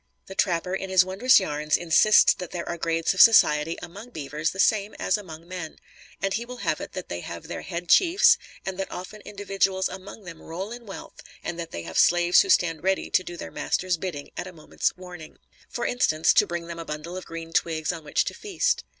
The trapper, in his wondrous yarns, insists that there are grades of society among beavers the same as among men; and he will have it that they have their "head chiefs," and that often individuals among them roll in wealth and that they have slaves who stand ready to do their master's bidding at a moment's warning; for instance, to bring them a bundle of green twigs on which to feast.